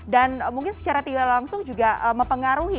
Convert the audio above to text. dan mungkin secara tiga langsung juga mempengaruhi